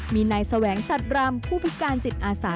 มีนายแสวงสัตว์รำผู้พิการจิตอาสา